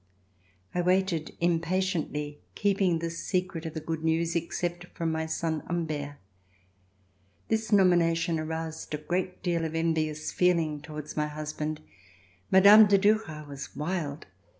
I waited impatiently, keeping the secret of the good news, except from my son Humbert. This nomination aroused a great deal of envious feeling towards my husband. Mme. de Duras was wild.